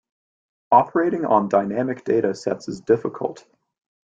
Operating on dynamic data sets is difficult.